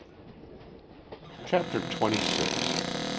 CHAPTER TWENTY SIX.